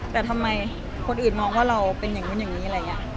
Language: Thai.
แต่ทำไมคนอื่นมองว่าเราเป็นอย่างนู้นอย่างนี้อะไรอย่างนี้